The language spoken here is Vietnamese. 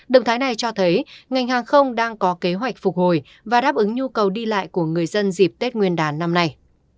động thái này cho thấy ngành hàng không đang có kế hoạch phục hồi và đáp ứng nhu cầu đi lại của người dân dịp tết nguyên đán năm nay